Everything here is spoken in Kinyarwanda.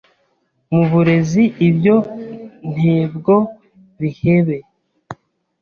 mu burezi ibyo ntebwo bihebe